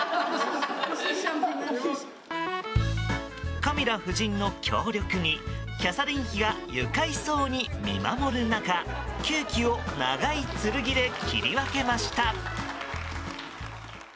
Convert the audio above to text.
カミラ夫人の協力にキャサリン妃が愉快そうに見守る中ケーキを長い剣で切り分けました。